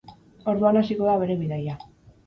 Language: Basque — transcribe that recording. Orduan hasiko da bere bidaia.